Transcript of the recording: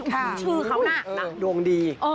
โอ้โฮชื่อเขานะดวงดี